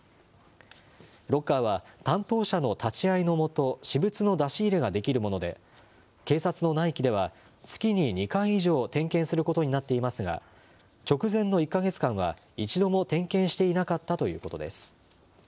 ロッカーは担当者の立ち会いの下、私物の出し入れができるもので、警察の内規では、月に２回以上、点検することになっていますが、直前の１か月間は、一度も点検していなかったということです。